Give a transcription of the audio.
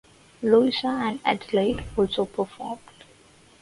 Louisa and Adelaide also performed.